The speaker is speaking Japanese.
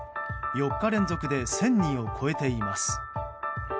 ４日連続で１０００人を超えています。